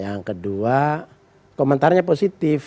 yang kedua komentarnya positif